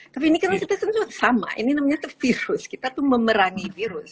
tapi ini kan kita semua sama ini namanya tuh virus kita tuh memerangi virus